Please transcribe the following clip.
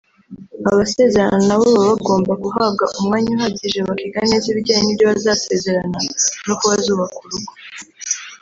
abasezerana na bo baba bagomba guhabwa umwanya uhagije bakiga neza ibijyanye n’ibyo bazasezerana n’uko bazubaka urugo